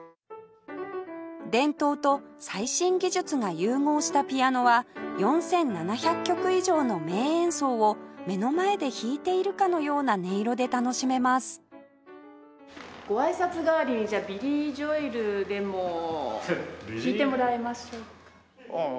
伝統と最新技術が融合したピアノは４７００曲以上の名演奏を目の前で弾いているかのような音色で楽しめますごあいさつ代わりにじゃあビリー・ジョエルでも弾いてもらいましょう。